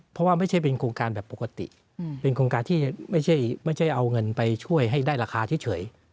เพราะว่าไม่ใช่เป็นโครงการแบบปกติเป็นโครงการที่ไม่ใช่เอาเงินไปช่วยให้ได้ราคาเฉย